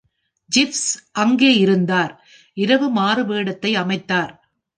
Jeeves அங்கே இருந்தார், இரவு மாறுவேடத்தை அமைத்தார்.